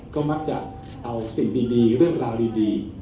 ก็มักจะเอาสิ่งดีเรื่องราวดี